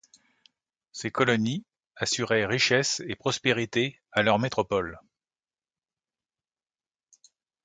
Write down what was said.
Ces colonies assuraient richesses et prospérité à leurs métropoles.